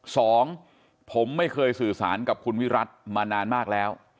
สองผมไม่เคยสื่อสารกับคุณวิรัติมานานมากแล้ว